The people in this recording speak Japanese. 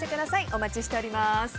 お待ちしております。